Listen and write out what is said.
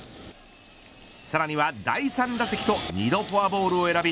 さらには第３打席と２度フォアボールを選び